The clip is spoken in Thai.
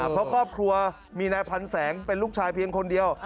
เพราะครอบครัวมีนายพันแสงเป็นลูกชายเพียงคนเดียว